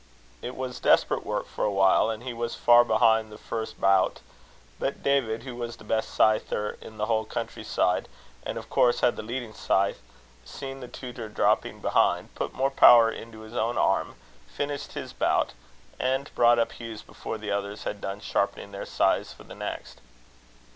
It was desperate work for a while, and he was far behind the first bout; but David, who was the best scyther in the whole country side, and of course had the leading scythe, seeing the tutor dropping behind, put more power to his own arm, finished his own bout, and brought up Hugh's before the others had done sharpening their scythes for the next.